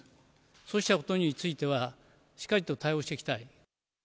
そうしたことについては、しっかりと対応していきたい。